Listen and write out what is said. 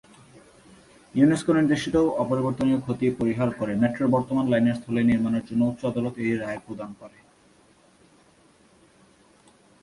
UNESCO নির্দেশিত "অপরিবর্তনীয় ক্ষতি" পরিহার করে মেট্রোর বর্তমান লাইনের স্থলে নির্মাণের জন্য উচ্চ আদালত এই রায় প্রদান করে।